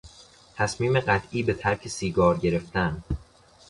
تصمیم قطعی به ترک سیگار گرفتن